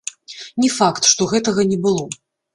Не факт, што гэтага не было.